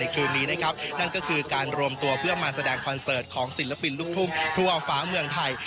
คืนนี้นะครับนั่นก็คือการรวมตัวเพื่อมาแสดงคอนเสิร์ตของศิลปินลูกทุ่งทั่วฟ้าเมืองไทย